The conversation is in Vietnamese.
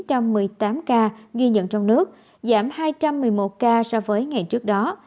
trong đó một mươi hai ca nhập cảnh và bảy chín trăm một mươi tám ca ghi nhận trong nước giảm hai trăm một mươi một ca so với ngày trước đó